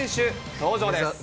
登場です。